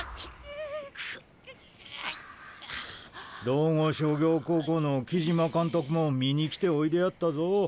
道後商業高校の木島監督も見に来ておいでやったぞ。